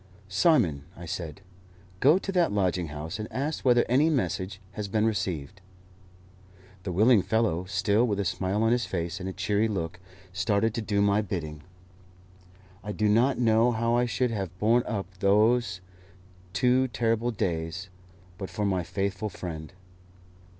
"Simon," I said, "go to that lodging house and ask whether any message has been received." The willing fellow, still with a smile on his face and a cheery look, started to do my bidding. I do not know how I should have borne up during those two terrible days, but for my faithful friend.